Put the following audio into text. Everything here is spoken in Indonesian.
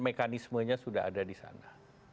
mekanismenya sudah ada di sana